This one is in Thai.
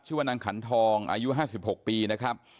ชื่อว่านางขันทองอายุ๕๖ปีนะครับ